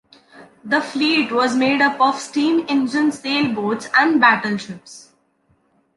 The fleet was made up of steam engine sailboats and battleships.